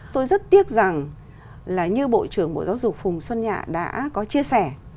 tôi rất tiếc rằng là như bộ trưởng bộ giáo dục phùng xuân nhạ đã có chia sẻ